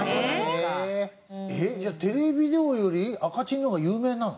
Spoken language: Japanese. じゃあテレビデオより赤チンの方が有名なの？